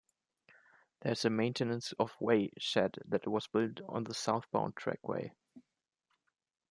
There is a "Maintenance of Way" shed that was built on the southbound trackway.